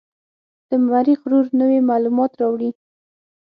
د مریخ روور نوې معلومات راوړي.